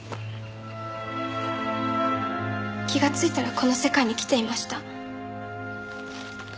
気がついたらこの世界に来ていました。